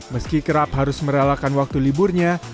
meski kerap harus merelakan waktu liburnya